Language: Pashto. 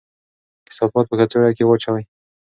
کثافات په کڅوړه کې واچوئ.